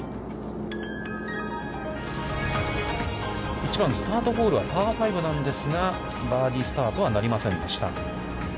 １番スタートホールはパー５なんですが、バーディースタートはなりませんでした。